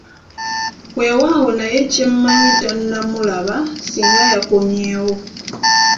Weewaawo, naye kye mmanyi tanamulaba ssinga yaakomyewo.